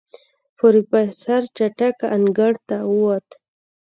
پروفيسر چټک انګړ ته ووت.